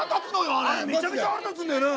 あれめちゃめちゃ腹立つんだよな。